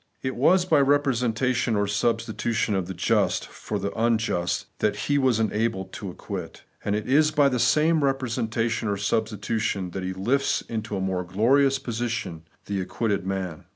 It was by representation or substitution of the just for the unjust that He was enabled to acquit ; and it is by the same representation or substitution that He lifts into a more glorious position the acquitted man.